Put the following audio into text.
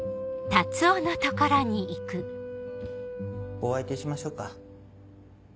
お相手しましょうか？